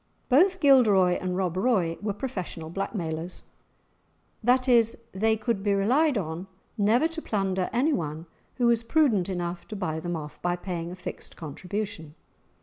Both Gilderoy and Rob Roy were professional blackmailers, that is, they could be relied on never to plunder anyone who was prudent enough to buy them off by paying a fixed contribution.